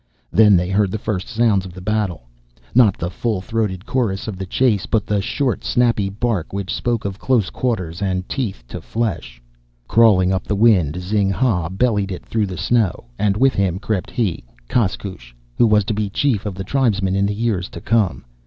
Then they heard the first sounds of the battle not the full throated chorus of the chase, but the short, snappy bark which spoke of close quarters and teeth to flesh. Crawling up the wind, Zing ha bellied it through the snow, and with him crept he, Koskoosh, who was to be chief of the tribesmen in the years to come.